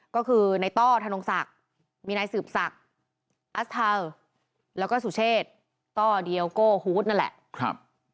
ก็คือในต้อธนงศักดิ์มีนายสืบศักดิ์อัสเทาแล้วก็สุเชษต้อเดียวโก้ฮูตนั่นแหละ